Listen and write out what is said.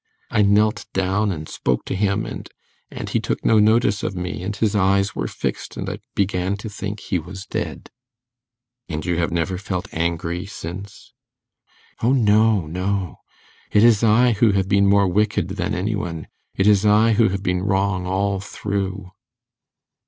I knelt down and spoke to him, and and he took no notice of me, and his eyes were fixed, and I began to think he was dead.' 'And you have never felt angry since?' 'O no, no; it is I who have been more wicked than any one; it is I who have been wrong all through.